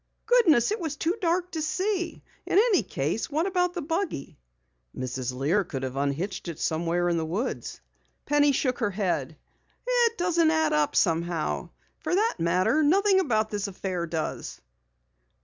"Goodness, it was too dark to see! In any case, what about the buggy?" "Mrs. Lear could have unhitched it somewhere in the woods." Penny shook her head. "It doesn't add up somehow. For that matter, nothing about this affair does."